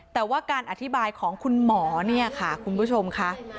แต่ว่าการอธิบายของคุณหมอเนี่ยค่ะคุณผู้ชมค่ะ